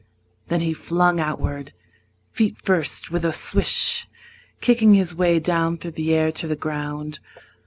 Then he flung outward, feet first, with a swish, Kicking his way down through the air to the ground.